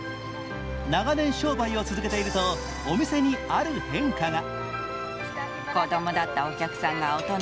長年商売を続けていると、お店にある変化が。